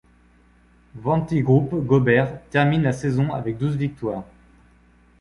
Wanty-Groupe Gobert termine la saison avec douze victoires.